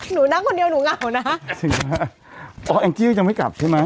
หนูนั่งคนเดียวหนูเหงานะอ๋อแองกี้ก็ยังไม่กลับใช่ไหม